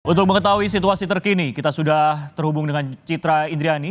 untuk mengetahui situasi terkini kita sudah terhubung dengan citra indriani